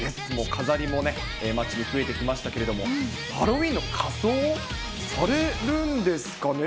飾りもね、街に増えてきましたけれども、ハロウィーンの仮装されるんですかね？